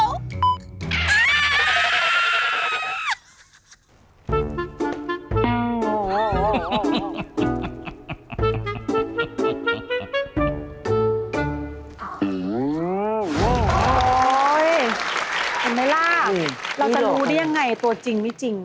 เห็นไหมล่ะเราจะรู้ได้ยังไงตัวจริงไม่จริง